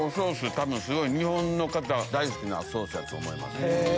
多分日本の方は大好きなソースやと思います。